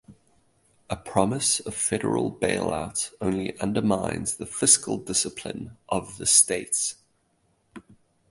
A promise of federal bailout only undermines the fiscal discipline of the states.